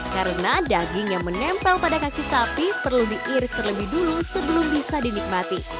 karena daging yang menempel pada kaki sapi perlu diiris terlebih dulu sebelum bisa dinikmati